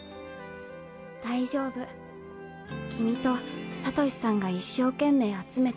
大丈夫君とサトシさんが一生懸命集めた